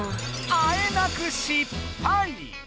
あえなく失敗！